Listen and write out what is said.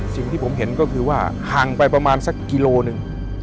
สิ่งที่ผมเห็นก็คือว่าห่างไปประมาณสักกิโลหนึ่ง